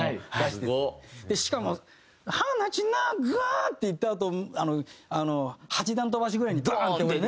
しかも「放ちなが」っていったあと８段飛ばしぐらいにドーンって下りて。